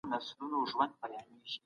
راپورونه د بریالیتوب خبر ورکوي.